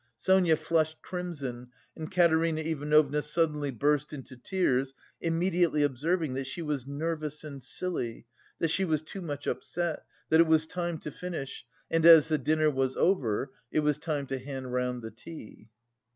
Sonia flushed crimson, and Katerina Ivanovna suddenly burst into tears, immediately observing that she was "nervous and silly, that she was too much upset, that it was time to finish, and as the dinner was over, it was time to hand round the tea."